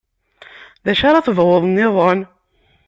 D acu ara tebɣuḍ-nniḍen?